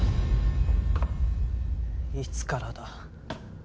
いつからだ？